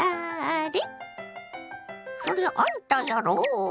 そりゃあんたやろ。